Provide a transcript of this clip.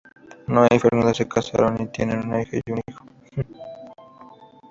Noah y Fernanda se casaron y tienen una hija y un hijo.